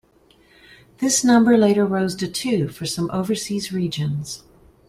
This number later rose to two for some overseas regions.